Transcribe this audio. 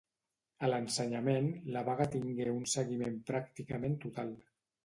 A l'ensenyament la vaga tingué un seguiment pràcticament total.